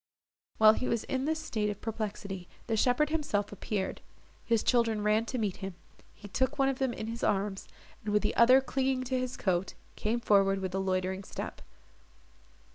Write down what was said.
While he was in this state of perplexity, the shepherd himself appeared: his children ran to meet him; he took one of them in his arms, and, with the other clinging to his coat, came forward with a loitering step.